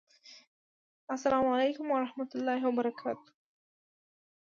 اسلام اعلیکم ورحمت الله وبرکاته